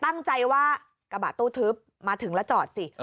ตั้งใจว่ากระบะตู้ทึบมาถึงแล้วจอดสิ